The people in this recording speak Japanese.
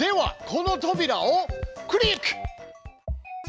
このとびらをクリック！